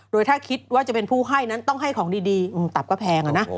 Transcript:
โดยถ้าคิดว่าจะเป็นผู้ให้นั้นต้องให้ของดีตับก็แพง